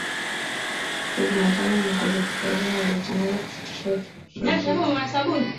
siku ya jumatano magazeti kadhaa yalitangaza kusitisha uchapishaji wake